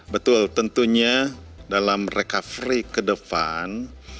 betul tentunya dalam recovery ke depan